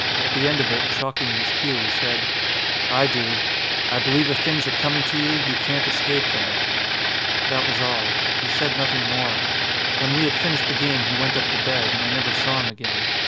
At the end of it, chalking his cue, he said : "I do. I believe if things are coming to you, you can't escape them." That was all. He said nothing more. When we had finished the game he went up to bed, and I never saw him again.